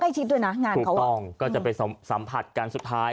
ใกล้ชิดด้วยน่ะงานเขาถูกต้องก็จะไปสำผัสกันสุดท้าย